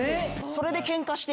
それで。